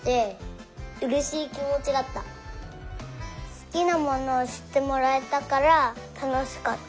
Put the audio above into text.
すきなものをしってもらえたからたのしかった。